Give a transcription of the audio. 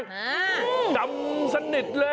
จำสนิทเลย